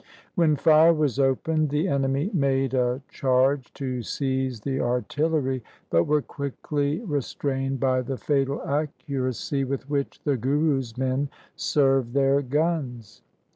When fire was opened, the enemy made a charge to seize the artillery, but were quickly restrained by the fatal accuracy with which the Guru's men served their guns.